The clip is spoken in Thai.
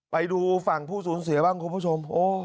ไปดูฝั่งผู้สูญเสียบ้างคุณผู้ชม